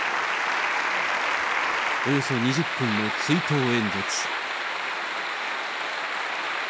およそ２０分の追悼演説。